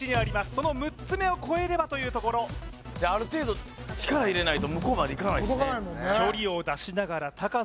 その６つ目を越えればというところある程度力入れないと向こうまで行かないですしね